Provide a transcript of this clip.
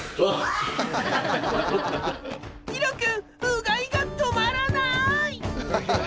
イロくんうがいが止まらない！